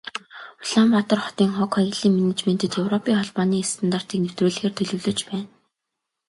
Улаанбаатар хотын хог, хаягдлын менежментэд Европын Холбооны стандартыг нэвтрүүлэхээр төлөвлөж байна.